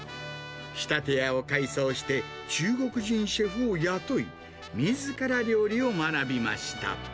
仕立て屋を改装して、中国人シェフを雇い、みずから料理を学びま